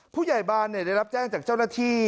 ผู้ใหญ่บ้านได้รับแจ้งจากเจ้าหน้าที่